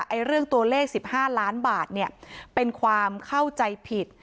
เรื่องตัวเลข๑๕ล้านบาทเนี่ยเป็นความเข้าใจผิด